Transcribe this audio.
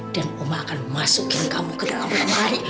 dan oma akan masukin kamu ke dalam ulang hari